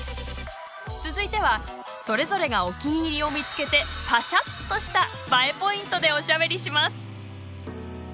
続いてはそれぞれがお気に入りを見つけてパシャッ！としたＢＡＥポイントでおしゃべりします！